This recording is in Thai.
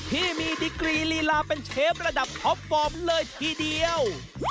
ที่มีดิกรีลีลาเป็นเชฟระดับท็อปฟอร์มเลยทีเดียว